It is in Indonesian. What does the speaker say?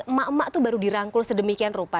emak emak itu baru dirangkul sedemikian rupa